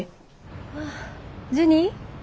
ああジュニ？